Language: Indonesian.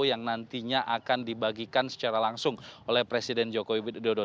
yang nantinya akan dibagikan secara langsung oleh presiden joko widodo